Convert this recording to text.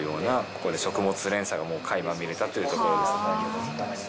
ここで食物連鎖がもう垣間見られたというところですね。